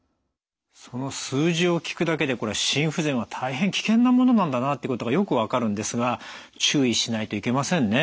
その数字を聞くだけでこれ心不全は大変危険なものなんだなということがよく分かるんですが注意しないといけませんね。